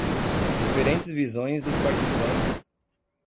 Diferentes visões dos participantes